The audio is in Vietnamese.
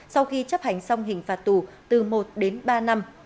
sau khi chấp hành xong hình phạt tù từ một đến ba năm